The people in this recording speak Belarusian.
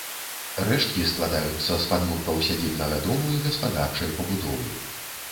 Рэшткі складаюцца з падмуркаў сядзібнага дому і гаспадарчай пабудовы.